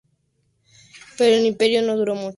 Pero el Imperio no duró mucho.